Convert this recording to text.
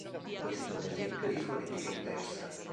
Questo è un esempio di fonetica inversa.